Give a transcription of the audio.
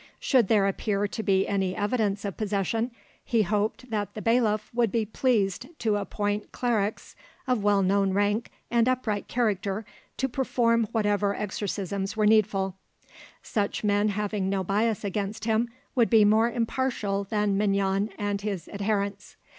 Should there appear to be any evidence of possession, he hoped that the bailiff would be pleased to appoint clerics of well known rank and upright character to perform whatever exorcisms were needful; such men having no bias against him would be more impartial than Mignon and his adherents.